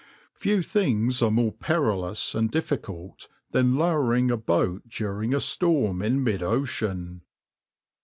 \par Few things are more perilous and difficult than lowering a boat during a storm in mid ocean.